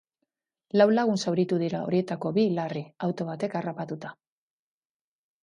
Lau lagun zauritu dira, horietako bi larri, auto batek harrapatuta.